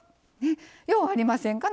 ようありませんか？